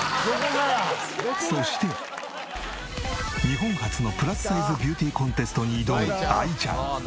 日本初のプラスサイズビューティーコンテストに挑むあいちゃん。